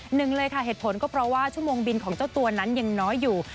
หนึ่งเลยค่ะเหตุผลก็เพราะว่าชั่วโมงบินของเจ้าตัวนั้นยังน้อยอยู่